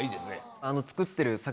作ってる。